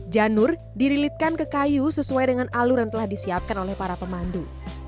janur dirilitkan ke kayu sesuai dengan alur yang telah disiapkan oleh para pemandu